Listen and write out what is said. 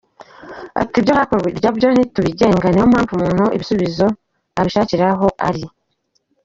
Ati “Ibyo hakurya byo ntitubigenga, ni na yo mpamvu ibisubizo umuntu abishakira aho ari.